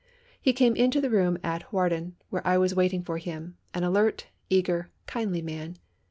He came into the room at Hawarden where I was waiting for him, an alert, eager, kindly man.